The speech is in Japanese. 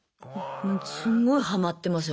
すっごいハマってますよ